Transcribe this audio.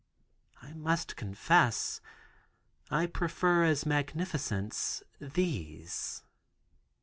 I must confess, I prefer as magnificence, these.